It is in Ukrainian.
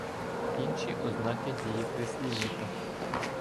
Інші ознаки дієприслівника